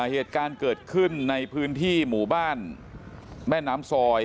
เหตุการณ์เกิดขึ้นในพื้นที่หมู่บ้านแม่น้ำซอย